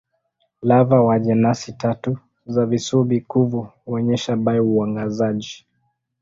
Lava wa jenasi tatu za visubi-kuvu huonyesha bio-uangazaji.